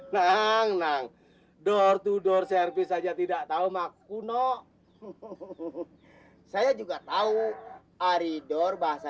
nang nang door to door service aja tidak tahu maku no hehehe saya juga tahu ari door bahasa